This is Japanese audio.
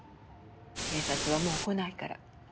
警察はもう来ないから。